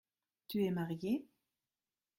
Tu es marié ?